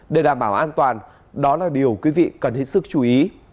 để đảm bảo an toàn đó là điều quý vị cần hết sức chú ý